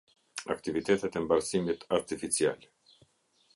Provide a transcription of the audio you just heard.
Aktivitetet e mbarsimit artificial.